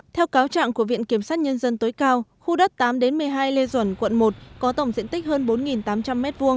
theo cáo trạng của viện kiểm sát nhân dân tối cao khu đất tám một mươi hai lê duẩn quận một có tổng diện tích hơn bốn tám trăm linh m hai